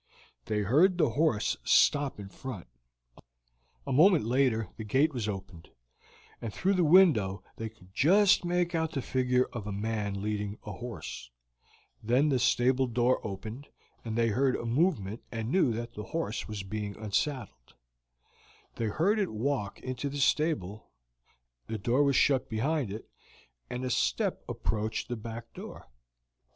They heard the horse stop in front, a moment later the gate was opened, and through the window they could just make out the figure of a man leading a horse; then the stable door opened, and they heard a movement, and knew that the horse was being unsaddled; they heard it walk into the stable, the door was shut behind it, and a step approached the back door.